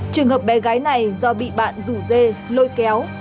trường hợp bé gái này do bị bạn rủ dê lôi kéo